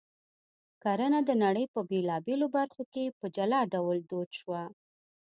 کرنه د نړۍ په بېلابېلو برخو کې په جلا ډول دود شوه